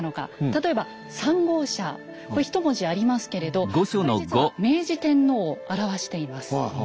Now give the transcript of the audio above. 例えば３号車これひと文字ありますけれどこれ実は明治天皇を表しています。